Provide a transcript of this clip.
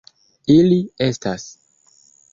Ili estas.